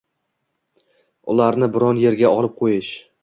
ularni biron yerga olib qo‘yish